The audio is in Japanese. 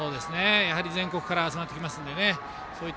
全国から集まってきますのでね。